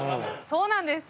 そうなんです！